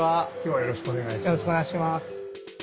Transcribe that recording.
よろしくお願いします。